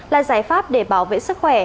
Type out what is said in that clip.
là giải pháp để bảo vệ sức khỏe